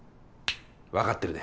分かってるね。